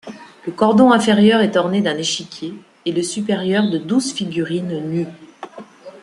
Le cordon inférieur est orné d'un échiquier et le supérieur de douze figurines nues.